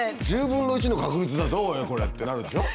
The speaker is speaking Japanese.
「１０分の１の確率だぞこれ」ってなるでしょ？